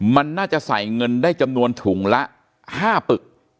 มันน่าจะใส่เงินได้จำนวนถุงละ๕ปึก